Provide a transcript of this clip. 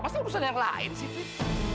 masa urusan yang lain sih fit